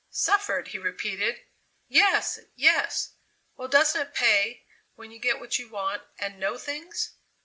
"Suffered!" he repeated. "Yes! yes!" "Well, doesn't it pay when you get what you want and know things?"